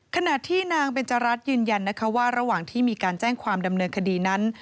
ขณะที่นางเบนจรัสยืนยันนะคะว่าระหว่างที่มีการแจ้งความดำเนินคดีนั้น